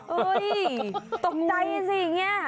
เฮ้ยตกใดนี่สิเงี้ย